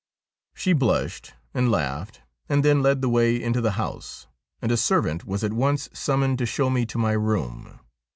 She blushed and laughed, and then led the way into the house, and a servant was at once summoned to show me to my room.